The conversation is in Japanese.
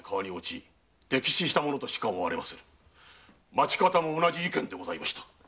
町方も同じ意見でございました。